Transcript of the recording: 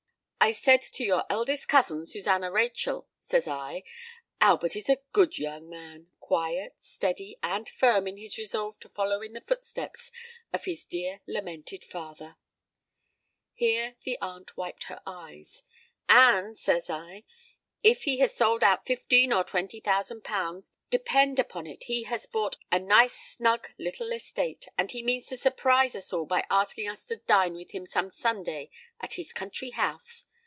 "I said to your eldest cousin Susannah Rachel, says I, 'Albert is a good young man—quiet—steady—and firm in his resolve to follow in the footsteps of his dear lamented father':—here the aunt wiped her eyes;—'and,' says I, '_if he has sold out fifteen or twenty thousand pounds, depend, upon it he has bought a nice snug little estate; and he means to surprise us all by asking us to dine with him some Sunday at his country house.